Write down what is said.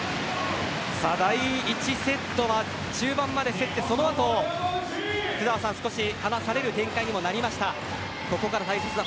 第１セットは中盤まで競ってその後、福澤さん離される展開になりました。